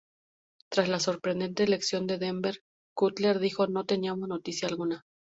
Tras la sorprendente elección de Denver, Cutler dijo: "No teníamos noticia alguna.